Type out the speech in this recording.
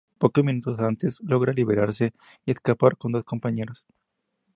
Pocos minutos antes, logra liberarse y escapa con dos compañeros.